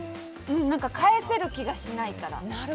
返せる気がしないから。